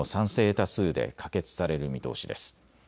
多数で可決される見通しです。